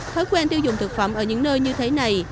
thói quen tiêu dùng thực phẩm ở những nơi như thế này